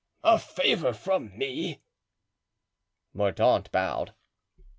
"A favor from me?" Mordaunt bowed.